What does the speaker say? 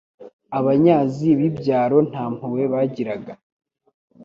Abanyazi b’ibyaro ntampuhwe bagiraga